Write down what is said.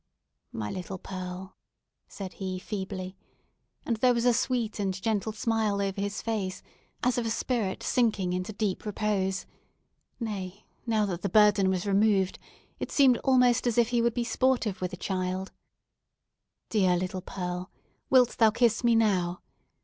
"My little Pearl," said he, feebly and there was a sweet and gentle smile over his face, as of a spirit sinking into deep repose; nay, now that the burden was removed, it seemed almost as if he would be sportive with the child—"dear little Pearl, wilt thou kiss me now?